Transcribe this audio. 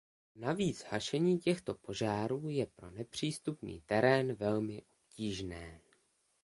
Navíc hašení těchto požárů je pro nepřístupný terén velmi obtížné.